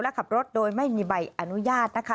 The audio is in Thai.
และขับรถโดยไม่มีใบอนุญาตนะคะ